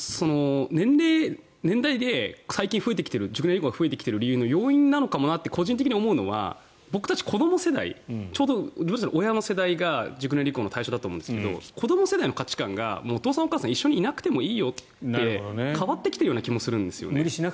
年代で最近熟年離婚が増えてきている理由の要因なのかもなって個人的に思うのは僕たち子ども世代ちょうど親の世代が熟年離婚の対象だと思うんですが子ども世代の価値観がお父さん、お母さんが一緒にいなくてもいいよと変わってきているような気もするんですよね。